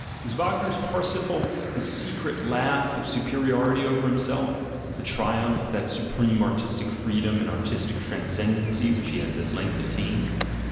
Is Wagner's Parsifal his secret laugh of superiority over himself, the triumph of that supreme artistic freedom and artistic transcendency which he has at length attained.